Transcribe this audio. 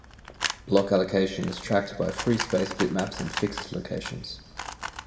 Block allocation is tracked by free space bitmaps in fixed locations.